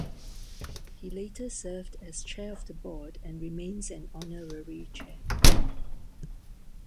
He later served as chair of the board and remains an honorary chair.